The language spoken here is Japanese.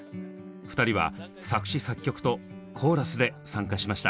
２人は作詞作曲とコーラスで参加しました。